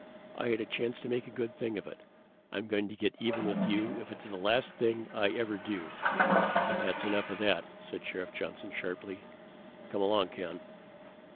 I had a chance to make a good thing of it. I'm going to get even with you if it's the last thing I ever do!" "That's enough of that!" said Sheriff Johnson sharply. "Come along, Ken."